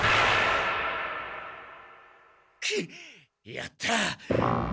やった。